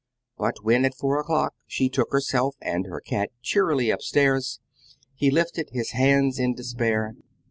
But when at four o'clock, she took herself and her cat cheerily up stairs, he lifted his hands in despair.